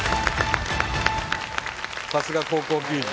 さすが高校球児。